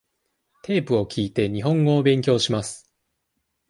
テープを聞いて、日本語を勉強します。